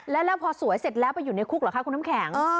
แล้วพอสวยเสร็จแล้วไปอยู่ในคุกเหรอคะคุณน้ำแข็ง